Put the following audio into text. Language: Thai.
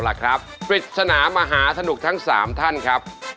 วิษนามหาธนุกทั้ง๓ท่านครับ